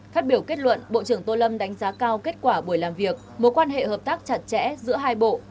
phát biểu kết luận bộ trưởng tô lâm đánh giá cao kết quả buổi làm việc mối quan hệ hợp tác chặt chẽ giữa hai bộ